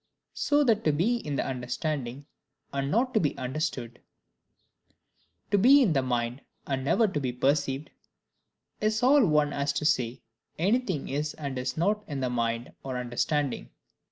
So that to be in the understanding, and not to be understood; to be in the mind and never to be perceived, is all one as to say anything is and is not in the mind or understanding.